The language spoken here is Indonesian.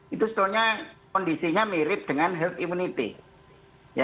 itu soalnya kondisinya mirip dengan health immunity